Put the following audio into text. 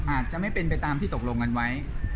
อาจจะไม่เป็นไปตามที่ตกลงกันไว้